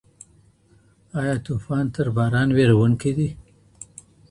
آیا طوفان تر باران ویرونکی دی؟